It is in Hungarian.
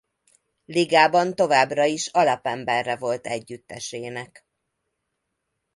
Ligában továbbra is alapemberre volt együttesének.